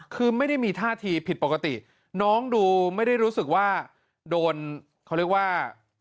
คือไม่ได้มีท่าทีผิดปกติน้องดูไม่ได้รู้สึกว่าโดนเขาเรียกว่า